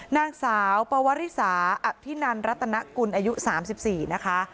นางสาวปวริสาอภินันรัตนกุลอายุ๓๔นะคะ